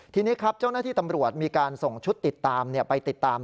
ทีนี้ครับเจ้าหน้าที่ตำรวจมีการส่งชุดติดตามไปติดตาม